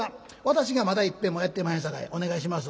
「私がまだいっぺんもやってまへんさかいお願いします」。